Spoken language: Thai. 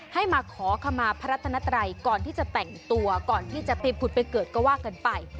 ให้มาขอขมาพระรัตนัตรัยก่อนที่จะแต่งตัวก่อนที่จะไปผุดไปเกิดก็ว่ากันไป